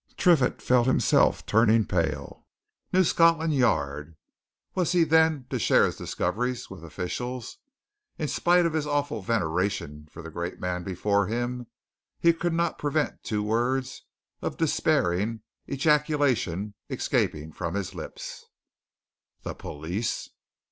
Triffitt felt himself turning pale. New Scotland Yard! Was he then to share his discoveries with officials? In spite of his awful veneration for the great man before him he could not prevent two words of despairing ejaculation escaping from his lips. "The police!"